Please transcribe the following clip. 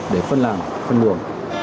để phân làm phân buồn